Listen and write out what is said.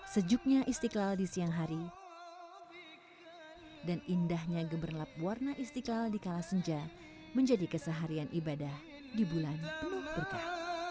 sejuknya istiqlal di siang hari dan indahnya geberlap warna istiqlal di kala senja menjadi keseharian ibadah di bulan penuh berkah